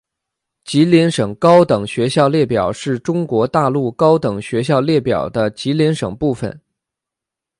吉林省高等学校列表是中国大陆高等学校列表的吉林省部分。